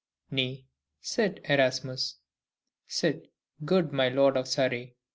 Nay, sit, Erasmus; sit, good my Lord of Surrey.